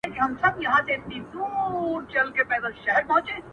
د عمرونو احسانونه واړه هیر کړي